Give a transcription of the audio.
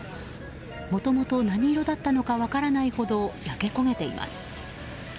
もともと何色だったのか分からないほど焼け焦げています。